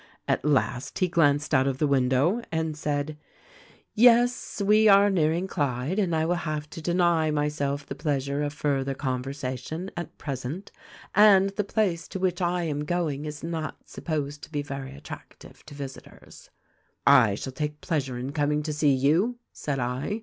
"At last he glanced out of the window and said, 'Yes ; we are nearing Clyde, and I will have to deny myself the pleasure of further conversation, at present — and the place to which I am going is not supposed to be very attractive to visitors.' " 'I shall take pleasure in coming to see you,' said I.